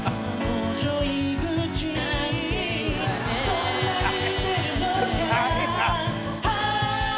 「そんなに似てるのかな」